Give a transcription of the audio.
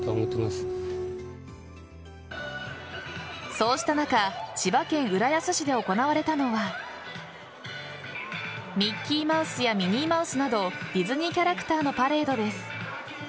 そうした中千葉県浦安市で行われたのはミッキーマウスやミニーマウスなどディズニーキャラクターのパレードです。